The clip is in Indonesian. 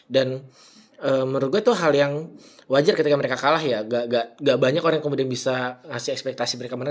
dan menurut gua itu hal yang wajar ketika mereka kalah ya ga banyak orang yang bisa ngasih ekspektasi mereka menang